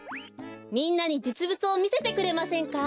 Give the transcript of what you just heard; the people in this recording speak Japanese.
みんなにじつぶつをみせてくれませんか？